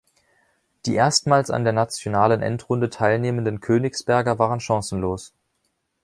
Die erstmals an der nationalen Endrunde teilnehmenden Königsberger waren chancenlos.